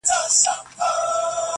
جنازې دي چي ډېرېږي د خوارانو؛